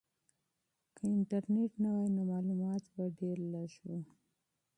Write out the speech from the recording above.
که انټرنیټ نه وای نو معلومات به محدود وو.